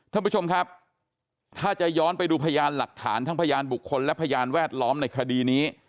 ท่านผู้ชมครับถ้าจะย้อนไปดูพยานหลักฐานทั้งพยานบุคคลและพยานแวดล้อมในคดีนี้